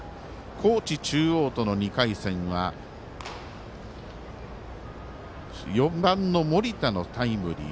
高知中央との２回戦は４番の森田のタイムリー。